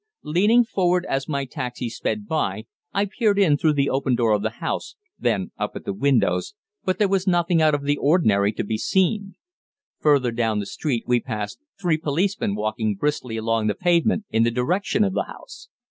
Leaning forward as my taxi sped by, I peered in through the open door of the house, then up at the windows, but there was nothing out of the ordinary to be seen. Further down the street we passed three policemen walking briskly along the pavement in the direction of the house.